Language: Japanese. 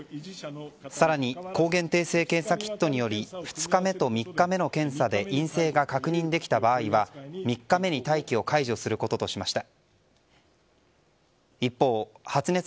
更に抗原定性検査キットにより２日目と３日目の検査で陰性が確認できた場合は３日目に待機を解除することとしました。